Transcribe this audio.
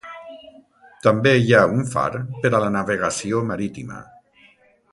També hi ha un far per a la navegació marítima.